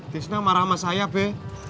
chris gak marah sama saya be